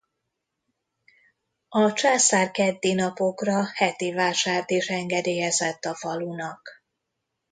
A császár keddi napokra hetivásárt is engedélyezett a falunak.